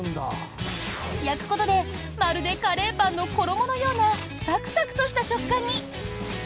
焼くことでまるでカレーパンの衣のようなサクサクとした食感に。